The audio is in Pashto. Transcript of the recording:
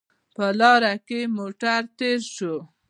په لاره کې موټر تېر شو